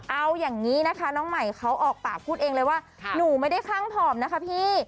เอาอย่างนี้นะคะน้องใหม่เขาออกปากพูดเองเลยว่าหนูไม่ได้ข้างผอมนะคะพี่